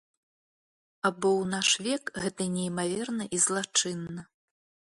А бо ў наш век гэта неймаверна і злачынна.